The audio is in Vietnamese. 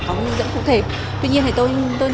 có những dẫn cụ thể tuy nhiên thì tôi